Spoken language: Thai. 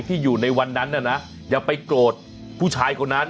อยู่ในวันนั้นน่ะนะอย่าไปโกรธผู้ชายคนนั้น